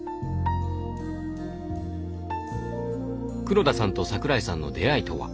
黒田さんと桜井さんの出会いとは？